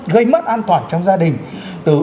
gây mất an toàn trong gia đình từ